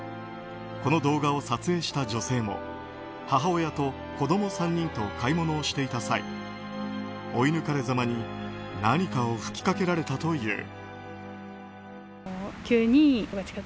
この動画を撮影した女性も母親と子供３人と買い物をしていた際追い抜かれざまに何かを吹きかけられたという。